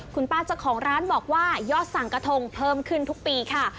คุณป้าเจ้าของร้านบอกว่ายอดสั่งกระทงเพิ่มขึ้นทุกปีค่ะ